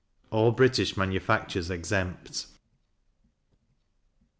All British manufactures exempt.